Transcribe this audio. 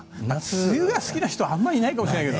梅雨が好きな人は、あんまりいないかもしれないけど。